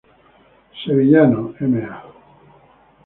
Sevillano, Ma.